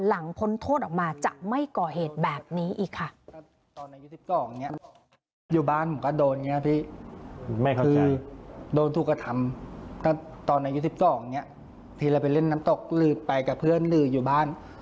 พ้นโทษออกมาจะไม่ก่อเหตุแบบนี้อีกค่ะ